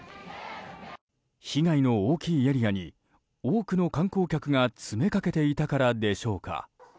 被害の大きいエリアに多くの観光客が詰めかけていたからでしょうか。